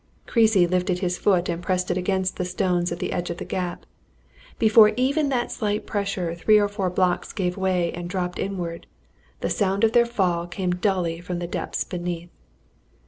Creasy lifted his foot and pressed it against the stones at one edge of the gap. Before even that slight pressure three or four blocks gave way and dropped inward the sound of their fall came dully from the depths beneath.